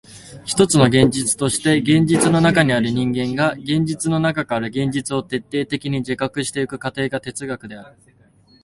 ひとつの現実として現実の中にある人間が現実の中から現実を徹底的に自覚してゆく過程が哲学である。